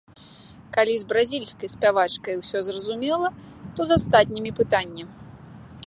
Калі з бразільскай спявачкай усё зразумела, то з астатнімі пытанне.